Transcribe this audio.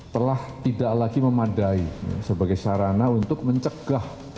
telah tidak lagi memadai sebagai sarana untuk mencegah